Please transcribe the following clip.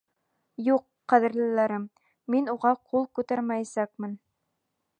Юҡ, ҡәҙерлеләрем, мин уға ҡул күтәрмәйәсәкмен.